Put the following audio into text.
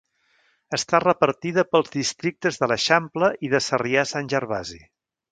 Està repartida pels districtes de l'Eixample i de Sarrià-Sant Gervasi.